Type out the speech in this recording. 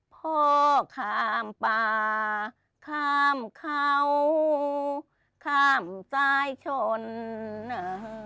พ่อข้ามป่าข้ามเขาข้ามสายชนเอ่อเอ่อ